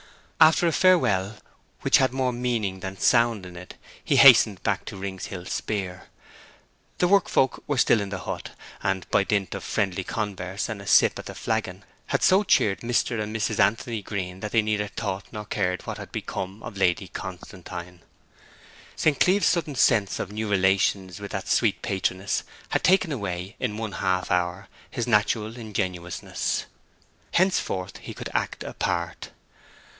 After a farewell which had more meaning than sound in it, he hastened back to Rings Hill Speer. The work folk were still in the hut, and, by dint of friendly converse and a sip at the flagon, had so cheered Mr. and Mrs. Anthony Green that they neither thought nor cared what had become of Lady Constantine. St. Cleeve's sudden sense of new relations with that sweet patroness had taken away in one half hour his natural ingenuousness. Henceforth he could act a part.